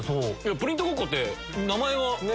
プリントゴッコって名前はね。